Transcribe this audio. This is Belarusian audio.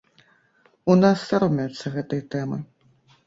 У нас саромеюцца гэтай тэмы.